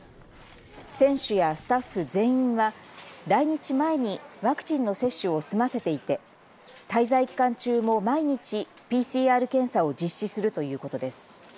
選手やスタッフ全員は来日前にワクチンの接種を済ませていて滞在期間中も毎日、ＰＣＲ検査を実施するということです。